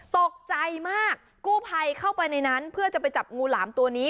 ตกใจมากกู้ภัยเข้าไปในนั้นเพื่อจะไปจับงูหลามตัวนี้